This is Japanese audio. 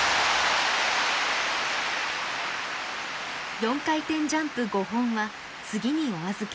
４回転ジャンプ５本は次にお預け。